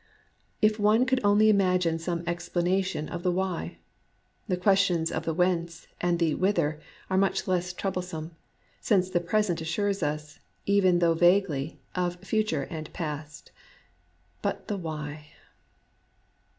If one could only imagine some explanation of the Why ! The questions of the Whence and the Whither are much less troublesome, since the Present assures us, even though vaguely, of Future and Past. But the Why